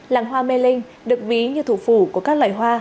làng hoa mê linh được ví như thủ phủ của các loài hoa